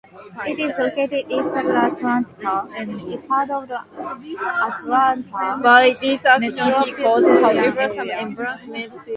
It is located east of Atlanta and is part of the Atlanta metropolitan area.